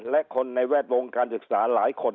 และคนในแวดวงการศึกษาหลายคน